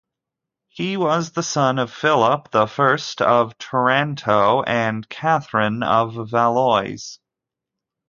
He was the son of Philip the First of Taranto and Catherine of Valois.